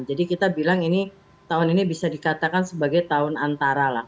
jadi kita bilang ini tahun ini bisa dikatakan sebagai tahun antara lah